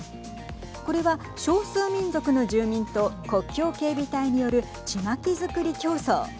これは少数民族の住民と国境警備隊によるちまきづくり競争。